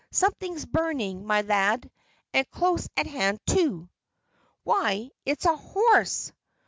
"Something's burning, my lad, and close at hand, too." "Why, it's a HORSE!"